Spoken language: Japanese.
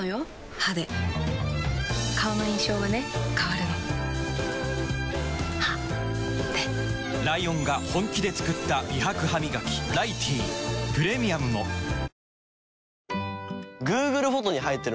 歯で顔の印象はね変わるの歯でライオンが本気で作った美白ハミガキ「ライティー」プレミアムもさぁ